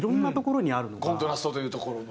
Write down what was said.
コントラストというところの。